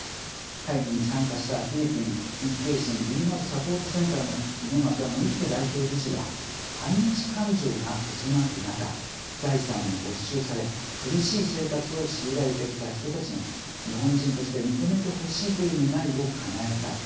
会議に参加したフィリピン日系人リーガルサポートセンターの猪俣典弘代表理事は反日感情が渦巻く中財産も没収され、苦しい生活を強いられてきた人たちの日本人として認めてほしいという願いをかなえたい。